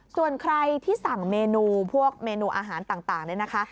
ส่วนใครที่สั่งเมนูพวกเมนูอาหารต่างเนี่ยนะคะ